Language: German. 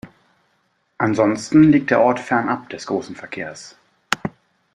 Ansonsten liegt der Ort fernab des großen Verkehrs.